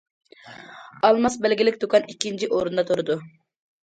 ئالماس بەلگىلىك دۇكان ئىككىنچى ئورۇندا تۇرىدۇ.